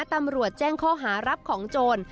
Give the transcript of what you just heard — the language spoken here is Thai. ตำรวจแจ้งข้อหารับของโจร